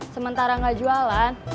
sementara gak jualan